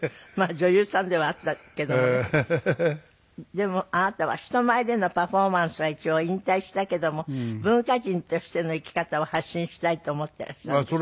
でもあなたは人前でのパフォーマンスは一応引退したけども文化人としての生き方を発信したいと思っていらっしゃるんですって？